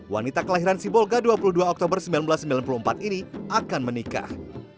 wanita kelahiran sibolga dua puluh dua oktober seribu sembilan ratus sembilan puluh empat ini akan menikah